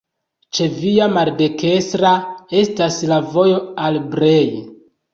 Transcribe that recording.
Ĉe via maldekstra estas la vojo al Brej.